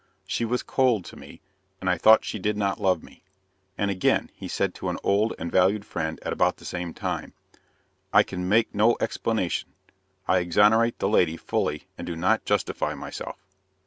She was cold to me, and I thought she did not love me. And again he said to an old and valued friend at about the same time: "I can make no explanation. I exonerate the lady fully and do not justify myself."